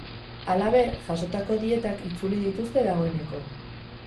Halaber, jasotako dietak itzuli dituzte dagoeneko.